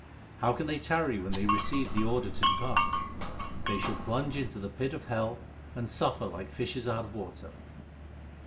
How can they tarry when they receive the order to depart ? They shall plunge into the pit of hell and suffer like fishes out of water.